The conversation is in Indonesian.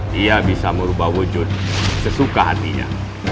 dia bisa merubah wujud sesuka hatinya